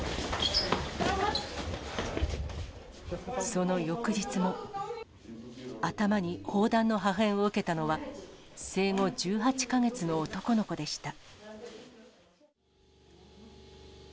その翌日も、頭に砲弾の破片を受けたのは、生後１８か月の男の子でした。